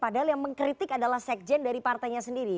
padahal yang mengkritik adalah sekjen dari partainya sendiri